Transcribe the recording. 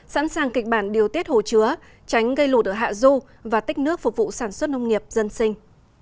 sẵn sàng kịch bản điều tiết hồ chứa tránh gây lụt ở hạ du và tích nước phục vụ sản xuất nông nghiệp dân sinh